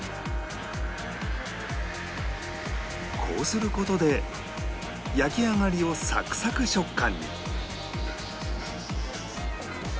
こうする事で焼き上がりをサクサク食感に